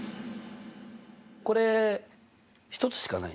これ１つしかないね。